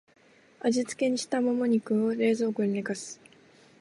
味付けしたモモ肉を冷蔵庫で寝かす